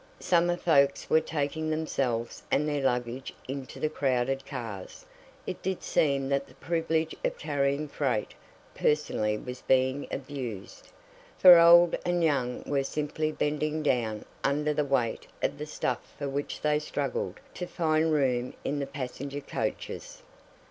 Summer folks were taking themselves and their luggage into the crowded cars. It did seem that the privilege of carrying freight personally was being abused, for old and young were simply bending down under the weight of the stuff for which they struggled to find room in the passenger coaches.